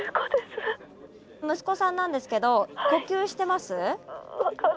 息子さんなんですけど呼吸してます？